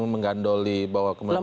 mengganduli bahwa kemudian